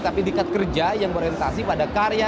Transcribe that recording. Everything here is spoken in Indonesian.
tapi dikat kerja yang orientasi pada karya